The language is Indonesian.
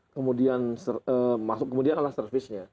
kemudian masuk kemudian ala servisnya